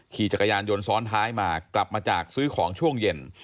ขี่จักรยานยนต์ซ้อนท้ายมากลับมาจากซื้อของช่วงเย็น